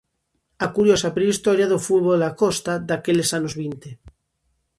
A curiosa prehistoria do fútbol da Costa daqueles anos vinte.